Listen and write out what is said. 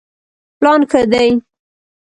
پلان ښه دی.